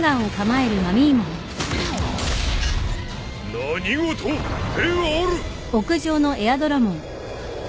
何事である！